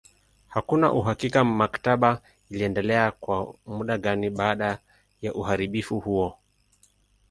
Hakuna uhakika maktaba iliendelea kwa muda gani baada ya uharibifu huo.